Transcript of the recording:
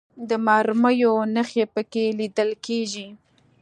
د مرمیو نښې په کې لیدل کېږي.